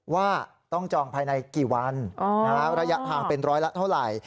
ว่าต้องจองภายในกี่วันระยะทางเป็นร้อยละเท่าไหร่